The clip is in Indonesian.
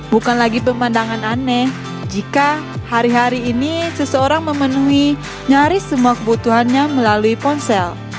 bukan lagi pemandangan aneh jika hari hari ini seseorang memenuhi nyaris semua kebutuhannya melalui ponsel